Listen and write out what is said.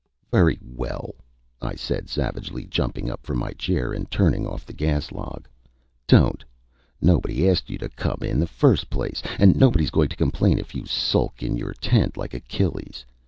"Very well," I said, savagely, jumping up from my chair and turning off the gas log. "Don't! Nobody asked you to come in the first place, and nobody's going to complain if you sulk in your tent like Achilles.